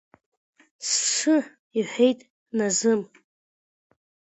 Ссы, — иҳәеит Наазым.